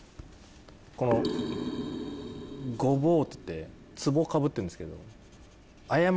この「ごぼう」っつってつぼをかぶってるんですけど。